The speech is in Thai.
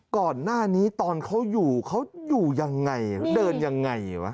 ก่อนหน้านี้ตอนเขาอยู่เขาอยู่ยังไงเดินยังไงวะ